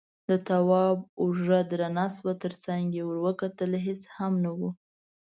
د تواب اوږه درنه شوه، تر څنګ يې ور وکتل، هېڅ هم نه و.